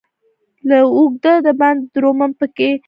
لار اوږده ده باندې درومم، پښي مې ابله سینه چاکه